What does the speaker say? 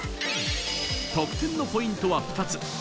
得点のポイントは２つ。